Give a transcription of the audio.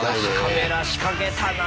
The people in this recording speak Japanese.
カメラ仕掛けたなぁ！